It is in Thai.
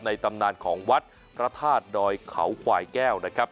ตำนานของวัดพระธาตุดอยเขาควายแก้วนะครับ